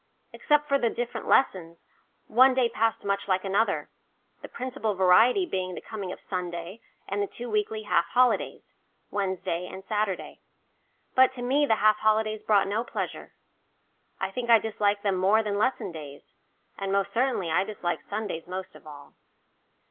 Except for the different lessons, one day passed much like another, the principal variety being the coming of Sunday and the two weekly half holidays Wednesday and Saturday. But to me the half holidays brought no pleasure. I think I disliked them more than lesson days, and most certainly I disliked Sundays most of all.